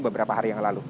beberapa hari yang lalu